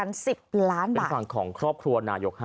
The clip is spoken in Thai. ฟังเสียงลูกจ้างรัฐตรเนธค่ะ